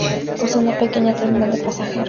Posee una pequeña terminal de pasajeros.